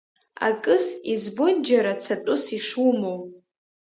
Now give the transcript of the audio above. Акыс, избоит џьара цатәыс ишумоу.